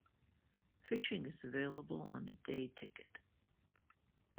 Fishing is available on a day ticket.